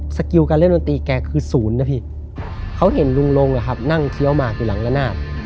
ขยับสกิลการเล่มดนตรีแกคือสูญนะพี่เขาเห็นลุงลงะครับนั่งเชี้ยวมากหรือหลังละนาด